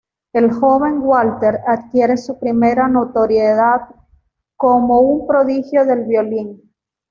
El joven Walter adquiere su primera notoriedad como un prodigio del violín.